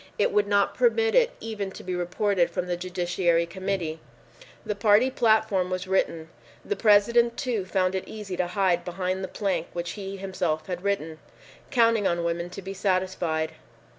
It would not permit it even to be reported from the Judiciary Committee. The party platform was written. The President, too, found it easy to hide behind the plank which he had himself written, counting on women to be satisfied.